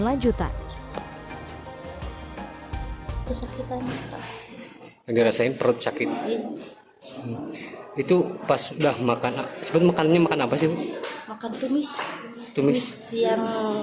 sejuta agar saya perut sakit itu pas udah makan makannya makan apa sih makan tumis tumis yang